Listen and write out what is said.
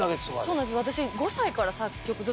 そうなんです。